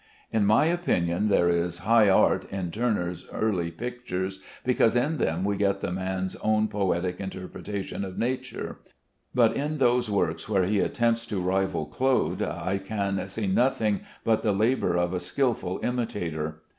In my opinion there is high art in Turner's early pictures, because in them we get the man's own poetic interpretation of nature, but in those works where he attempts to rival Claude I can see nothing but the labor of a skilful imitator.